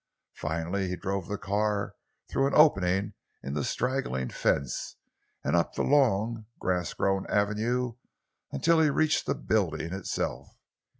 Finally he drove the car through an opening in the straggling fence, and up the long, grass grown avenue, until he reached the building itself.